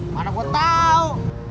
mana gue tau